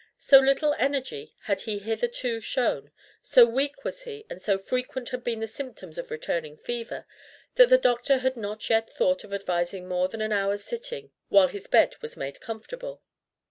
So little energy had he hitherto shown, so weak was he, and so frequent had been the symptoms of returning fever, that the doctor had not yet thought of advising more than an hour's sitting while his bed was made comfortable.